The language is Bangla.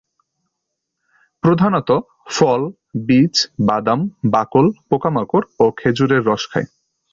প্রধানত ফল, বীজ, বাদাম, বাকল, পোকামাকড় ও খেজুরের রস খায়।